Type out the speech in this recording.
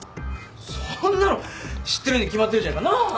そんなの知ってるに決まってるじゃないかなあ。